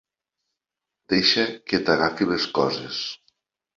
Deixa que t'agafi les coses.